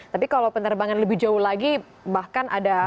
tapi kalau penerbangan lebih jauh lagi bahkan ada